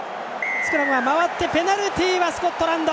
スクラムが回ってペナルティーはスコットランド。